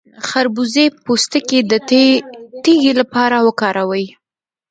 د خربوزې پوستکی د تیږې لپاره وکاروئ